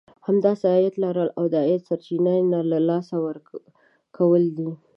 همداسې عايد لرل او د عايد سرچينه نه له لاسه ورکول دي.